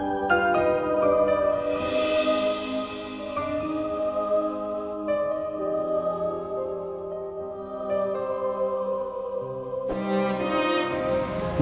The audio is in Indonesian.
aku akan berusaha untuk melupain bimo